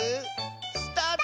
スタート！